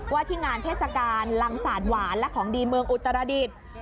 ที่งานเทศกาลลังศาสตร์หวานและของดีเมืองอุตรดิษฐ์